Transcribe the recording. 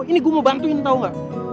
ini gue mau bantuin tau gak